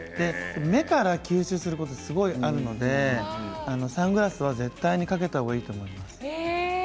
目から吸収する紫外線がすごいのでサングラスは絶対にかけた方がいいと思います。